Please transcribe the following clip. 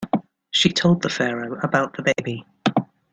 She told the Pharaoh about the baby.